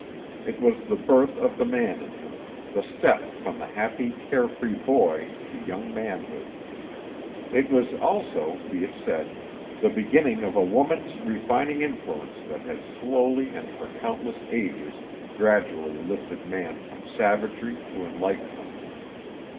It was the birth of the man in him; the step from the happy, care free boy to young manhood. It was also, be it said, the beginning of a woman's refining influence that has slowly and for countless ages gradually lifted man from savagery to enlightenment.